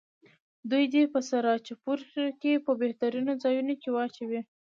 دوی دې په سراجپور کې په بهترینو ځایونو کې واچوي.